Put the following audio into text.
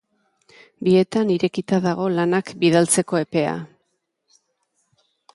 Bietan irekita dago lanak bidaltzeko epea.